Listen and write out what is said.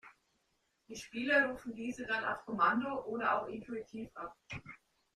Die Spieler rufen diese dann auf Kommando oder auch intuitiv ab.